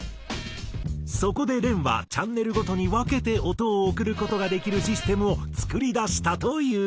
そこでＲｅＮはチャンネルごとに分けて音を送る事ができるシステムを作り出したという。